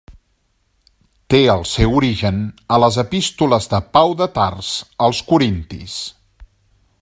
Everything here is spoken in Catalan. Té el seu origen a les epístoles de Pau de Tars als corintis.